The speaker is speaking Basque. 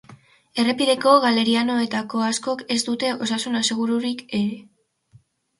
Errepideko galerianoetako askok ez dute osasun asegururik ere.